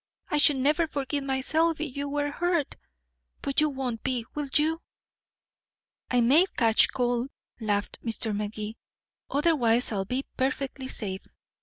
I should never forgive myself if you were hurt. But you won't be will you?" "I may catch cold," laughed Mr. Magee; "otherwise I'll be perfectly safe."